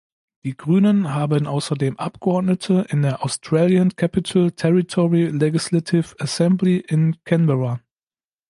Die Grünen haben außerdem Abgeordnete in der "Australian Capital Territory Legislative Assembly" in Canberra.